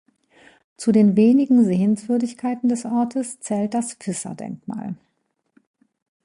Zu den wenigen Sehenswürdigkeiten des Ortes zählt das Visser-Denkmal.